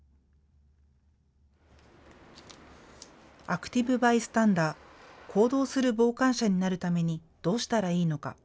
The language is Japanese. アクティブバイスタンダー・行動する傍観者になるためにどうしたらいいのか。